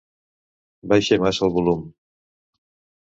Baixe massa el volum.